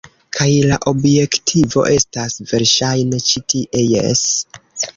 Kaj la objektivo estas, verŝajne, ĉi tie. Jes.